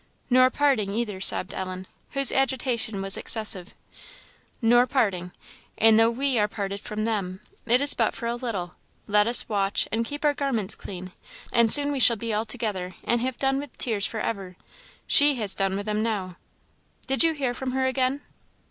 "Nor parting either," sobbed Ellen, whose agitation was excessive. "Nor parting! and though we are parted from them, it is but for a little; let us watch, and keep our garments clean, and soon we shall be all together, and have done with tears for ever. She has done with them now. Did you hear from her again?"